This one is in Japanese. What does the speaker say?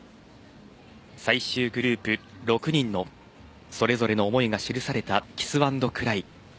最終グループ６人のそれぞれの思いが記されたキス＆クライ。